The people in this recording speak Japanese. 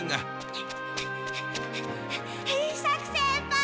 伊作先輩！